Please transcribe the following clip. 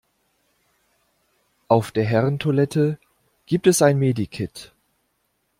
Auf der Herren-Toilette gibt es ein Medi-Kit.